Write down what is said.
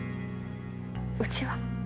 うちは？